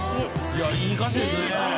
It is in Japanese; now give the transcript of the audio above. いやいい歌詞ですね。